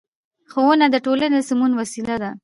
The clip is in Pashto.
ښوونه د ټولنې د سمون وسیله ده